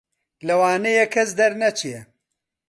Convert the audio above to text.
لەوانەیە کەس دەرنەچێ